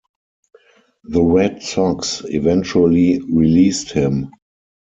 The Red Sox eventually released him.